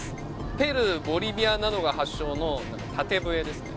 ペルーボリビアなどが発祥の縦笛ですね